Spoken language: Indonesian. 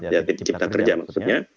jadi cipta kerja maksudnya